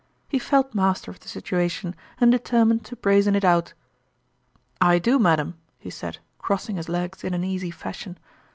He felt master of the situation, and determined to brazen it out. " I do, madam !" he said, crossing his legs in an easy fashion.